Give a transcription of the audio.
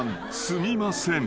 すみません］